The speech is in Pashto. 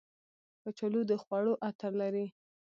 کچالو د خوړو عطر لري